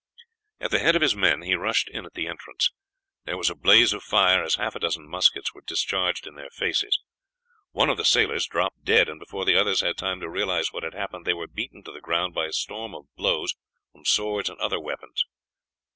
At the head of his men he rushed in at the entrance. There was a blaze of fire as half a dozen muskets were discharged in their faces. One of the sailors dropped dead, and before the others had time to realize what had happened they were beaten to the ground by a storm of blows from swords and other weapons.